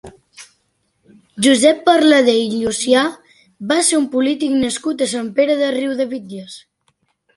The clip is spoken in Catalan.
Josep Parladé i Llucià va ser un polític nascut a Sant Pere de Riudebitlles.